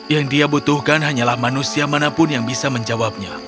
yang dia butuhkan hanyalah manusia manapun yang bisa menjawabnya